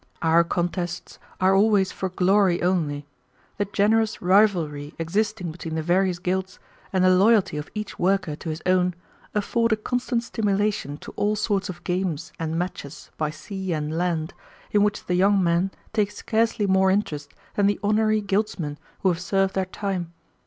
Our contests are always for glory only. The generous rivalry existing between the various guilds, and the loyalty of each worker to his own, afford a constant stimulation to all sorts of games and matches by sea and land, in which the young men take scarcely more interest than the honorary guildsmen who have served their time.